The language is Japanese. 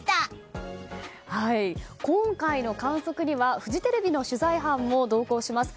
今回の観測にはフジテレビの取材班も同行します。